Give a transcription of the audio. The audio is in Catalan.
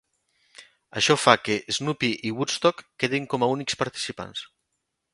Això fa que Snoopy i Woodstock quedin com a únics participants.